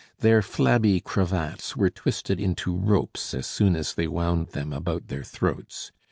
Their flabby cravats were twisted into ropes as soon as they wound them about their throats.